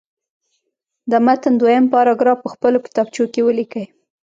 د متن دویم پاراګراف په خپلو کتابچو کې ولیکئ.